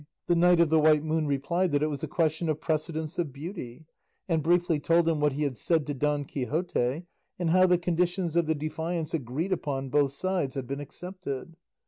The Knight of the White Moon replied that it was a question of precedence of beauty; and briefly told him what he had said to Don Quixote, and how the conditions of the defiance agreed upon on both sides had been accepted.